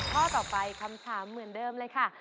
ข้อต่อไปคำถามเหมือนเดิมเลยค่ะ